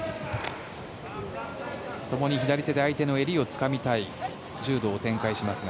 ともに左で相手の襟をつかみたい柔道を展開しますが。